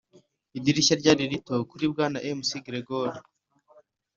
idirishya ryari rito kuri bwana mcgregor,